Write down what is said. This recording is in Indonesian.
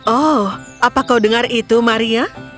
oh apa kau dengar itu maria